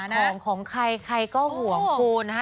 ให้สติของใครก็ห่วงนะฮะ